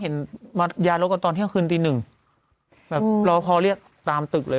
เห็นมาย้ายรถกันตอนเที่ยงคืนตีหนึ่งแบบรอคอเรียกตามตึกเลย